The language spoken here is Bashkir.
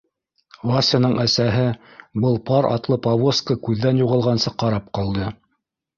Васяның әсәһе был пар атлы повозка күҙҙән юғалғансы ҡарап ҡалды.